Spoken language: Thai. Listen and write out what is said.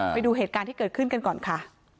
ไปดูเหตุการณ์ที่เกิดขึ้นกันก่อนค่ะ